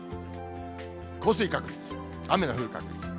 降水確率、雨の降る確率。